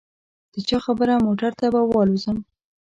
د چا خبره موټر به والوزووم.